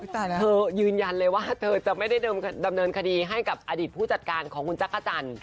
เธอยืนยันเลยว่าเธอจะไม่ได้ดำเนินคดีให้กับอดีตผู้จัดการของคุณจักรจันทร์